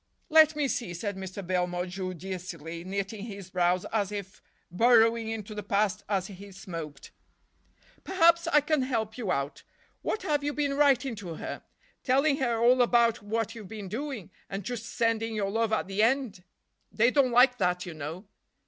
"Let me see," said Mr. Belmore judicially, knitting his brows as if burrowing into the past as he smoked. "Perhaps I can help you out. What have you been writing to her? Telling her all about what you've been doing, and just sending your love at the end? They don't like that, you know."